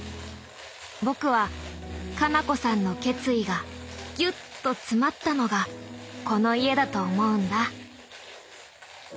僕は花菜子さんの決意がギュッと詰まったのがこの家だと思うんだ。